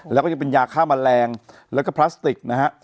แล้วก็จะเป็นยาฆ่าแมลงแล้วก็พลาสติกนะฮะ